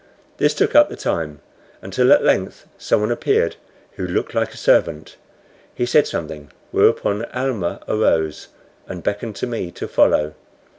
This took up the time, until at length someone appeared who looked like a servant. He said something, whereupon Almah arose and beckoned to me to follow.